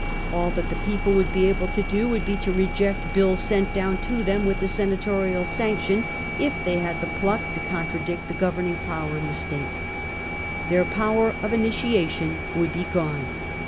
All that the people would be able to do would be to reject bills sent down to them with the senatorial sanction, if they had the pluck to contradict the governing power in the state* Their power of initiative would be gone.